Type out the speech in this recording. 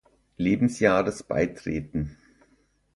Lebensjahres beitreten.